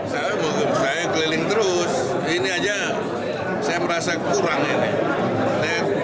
saya merasa kurang ini